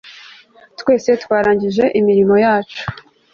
Twese twarangije imirimo yacu